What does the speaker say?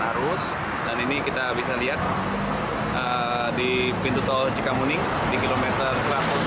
kita mengalihkan arus dan ini kita bisa lihat di pintu tol cikamuning di kilometer satu ratus enam belas delapan